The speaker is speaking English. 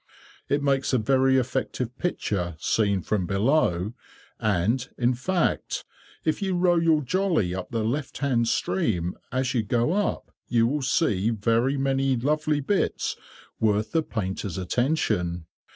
It makes a very effective picture, seen from below, and, in fact, if you row your jolly up the left hand stream, as you go up, you will see very many lovely bits worth the painter's attention.